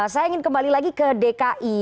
saya ingin kembali lagi ke dki